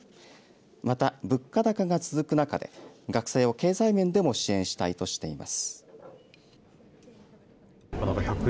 また、物価高が続く中で学生を経済面でも支援したいとしています。